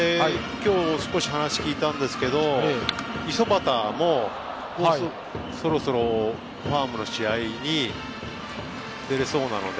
今日、少し話聞いたんですけど五十幡もそろそろファームで試合に出られそうなので。